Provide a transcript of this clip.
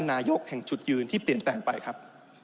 นายกแห่งจุดยืนที่เปลี่ยนแปลงไปครับ